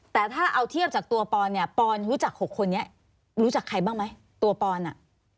แต่ถ้าเอาเทียบจากตัวปอนเนี่ยปอนรู้จัก๖คนนี้รู้จักใครบ้างไหมตัวปอนอ่ะ